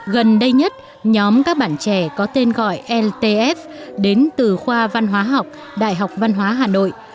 gần đây nhất nhóm các bạn trẻ có tên gọi ltf đến từ khoa văn hóa học đại học văn hóa hà nội